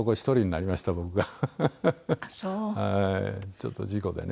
ちょっと事故でね。